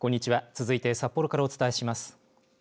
続いて札幌からお伝えします。